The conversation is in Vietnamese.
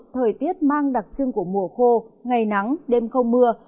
thời tiết mang đặc trưng của mùa khô ngày nắng đêm không mưa